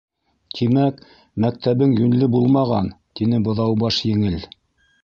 —Тимәк, мәктәбең йүнле булмаған, —тине Быҙаубаш еңел